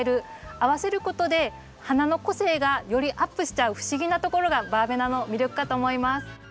合わせることで花の個性がよりアップしちゃう不思議なところがバーベナの魅力かと思います。